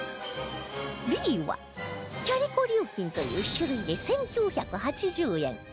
Ｂ はキャリコ琉金という種類で１９８０円